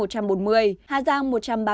hà giang một trăm ba mươi tám